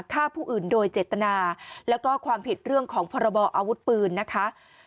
ฆ่าผู้อื่นโดยเจตนาแล้วก็ความผิดเรื่องของพรบออาวุธปืนนะคะ